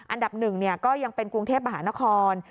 อันดับหนึ่งก็ยังเป็นกรุงเทพมหานคร